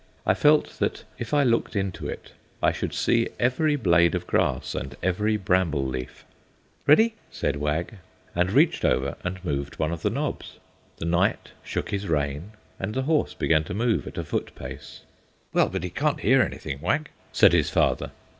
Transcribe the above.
I felt that if I looked into it I should see every blade of grass and every bramble leaf. "Ready?" said Wag, and reached over and moved one of the knobs. The knight shook his rein, and the horse began to move at a foot pace. "Well, but he can't hear anything, Wag," said his father.